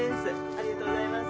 ありがとうございます。